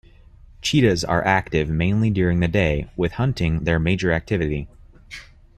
Cheetahs are active mainly during the day, with hunting their major activity.